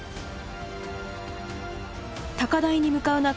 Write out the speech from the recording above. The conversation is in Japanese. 高台に向かう中